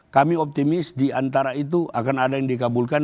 kami optimis diantara itu akan ada yang dikabulkan